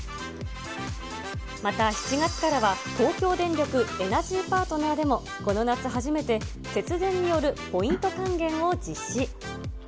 また７月からは、東京電力エナジーパートナーでもこの夏初めて、節電によるポイント還元を実施。